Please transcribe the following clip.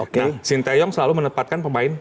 nah sinteyong selalu menempatkan pemain